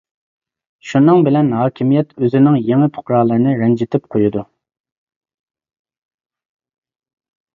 شۇنىڭ بىلەن، ھاكىمىيەت ئۆزىنىڭ يېڭى پۇقرالىرىنى رەنجىتىپ قويىدۇ.